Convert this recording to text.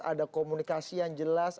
ada komunikasi yang jelas